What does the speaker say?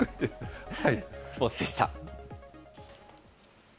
スポーツでした。